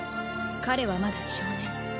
彼はまだ少年。